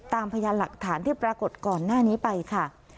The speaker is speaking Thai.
พยานหลักฐานที่ปรากฏก่อนหน้านี้ไปค่ะ